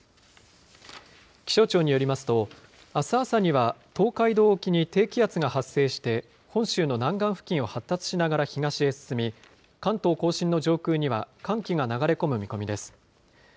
気象庁によりますと、あす朝には東海道沖に低気圧が発生して、本州の南岸付近を発達しながら東へ進み、関東甲信の上空には、寒気が流れ込む見込みです。